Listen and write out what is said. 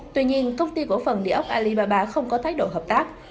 tuy nhiên công ty cổ phần địa ốc alibaba không có thái độ hợp tác